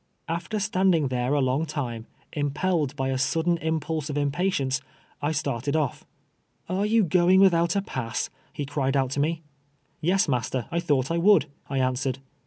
After stand ing there a long time, impelled by a sudden impulse of impatience, I started oil". " Are you going without a pass ?" he cried out to me. " Yes, master, I thought I would," I answered.